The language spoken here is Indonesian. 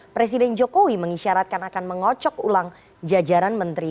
presiden jokowi mengisyaratkan akan mengocok ulang jajaran menteri